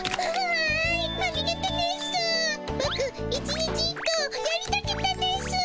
ボク１日１個やりとげたですぅ。